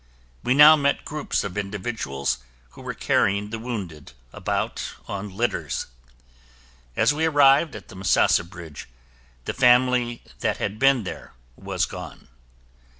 We now met groups of individuals who were carrying the wounded about on litters. As we arrived at the Misasa Bridge, the family that had been there was gone.